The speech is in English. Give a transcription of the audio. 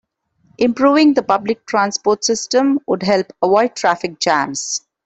Improving the public transport system would help avoid traffic jams.